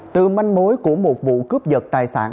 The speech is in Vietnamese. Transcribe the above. từ manh mối của một vụ cướp giật tài sản